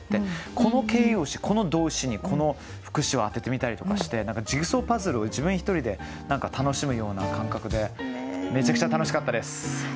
この形容詞この動詞にこの副詞を当ててみたりとかしてジグソーパズルを自分一人で楽しむような感覚でめちゃくちゃ楽しかったです。